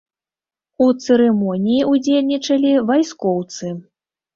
У цырымоніі ўдзельнічалі вайскоўцы.